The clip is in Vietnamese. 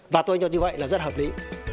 và tôi cho như vậy là rất hợp lý